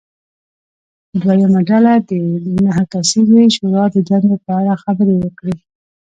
دویمه ډله دې د نهه کسیزې شورا د دندې په اړه خبرې وکړي.